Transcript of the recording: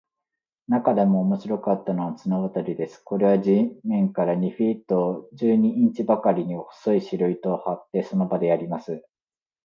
なかでも面白かったのは、綱渡りです。これは地面から二フィート十二インチばかりに、細い白糸を張って、その上でやります。